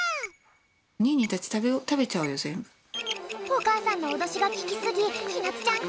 おかあさんのおどしがききすぎひなつちゃん